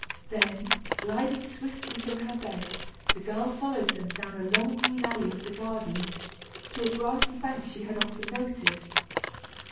Then, gliding swiftly from her bed, the girl followed them, down a long green alley of the garden, to a grassy bank she had often noticed.